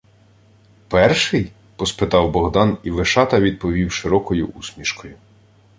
— Перший? — поспитав Богдан, і Вишата відповів широкою усмішкою.